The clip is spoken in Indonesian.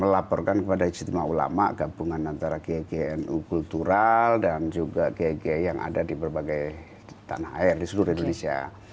melaporkan kepada ijtima ulama gabungan antara giginu kultural dan juga kiki yang ada di berbagai tanah air di seluruh indonesia